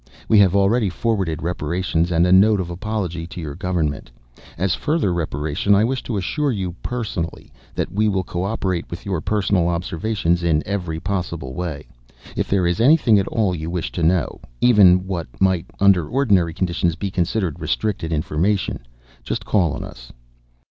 We have already forwarded reparations and a note of apology to your government. As further reparation, I wish to assure you personally that we will coöperate with your personal observations in every possible way. If there is anything at all you wish to know even what might, under ordinary conditions, be considered restricted information just call on us."